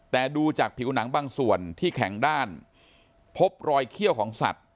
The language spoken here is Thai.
แต่ดูจากผิวหนังบางส่วนที่แข็งด้านพบรอยเขี้ยวของสัตว